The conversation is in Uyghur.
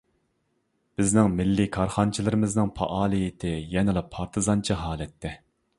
بىزنىڭ مىللىي كارخانىچىلىرىمىزنىڭ پائالىيىتى يەنىلا پارتىزانچە ھالەتتە.